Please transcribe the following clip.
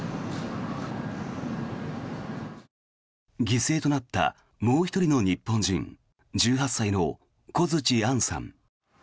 犠牲となったもう１人の日本人１８歳の小槌杏さん。